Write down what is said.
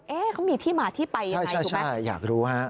เอ๊ะเขามีที่มาที่ไปยังไงใช่อยากรู้ฮะ